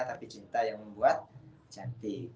tapi cinta yang membuat cantik